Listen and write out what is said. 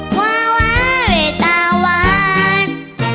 หวาวะเวตาวาน